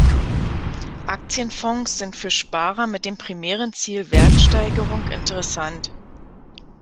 Aktienfonds sind für Sparer mit dem primären Ziel Wertsteigerung interessant.